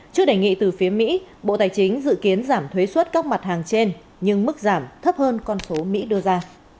trước đề nghị từ phía mỹ bộ tài chính dự kiến giảm thuế xuất các mặt hàng trên nhưng mức giảm thấp hơn con số mỹ đưa ra